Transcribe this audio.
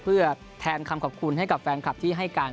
เพื่อแทนคำขอบคุณให้กับแฟนคลับที่ให้การ